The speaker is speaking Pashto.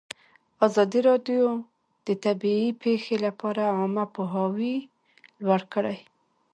ازادي راډیو د طبیعي پېښې لپاره عامه پوهاوي لوړ کړی.